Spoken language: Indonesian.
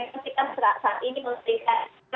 yang sekarang saat ini memiliki harapan besar